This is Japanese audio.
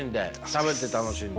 食べて楽しんで。